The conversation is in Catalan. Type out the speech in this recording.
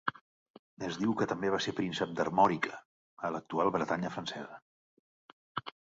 Es diu que també va ser príncep d'Armòrica, a l'actual Bretanya francesa.